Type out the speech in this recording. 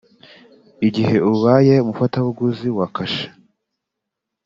Igihe ubaye umufatabuguzi wa Kasha